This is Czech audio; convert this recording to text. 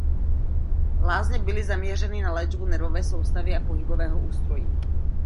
Lázně byly zaměřeny na léčbu nervové soustavy a pohybového ústrojí.